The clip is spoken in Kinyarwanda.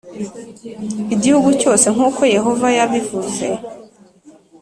igihugu cyose nk uko Yehova yabivuze